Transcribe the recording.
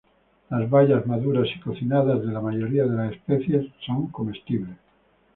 Las bayas maduras y cocinadas de la mayoría de las especies son comestibles.